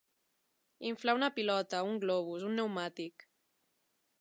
Inflar una pilota, un globus, un pneumàtic.